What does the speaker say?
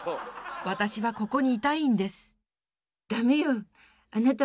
私はここにいたいんです！」。